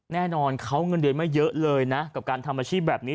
แน่นอนเขาเงินเดือนไม่เยอะเลยนะกับการทำอาชีพแบบนี้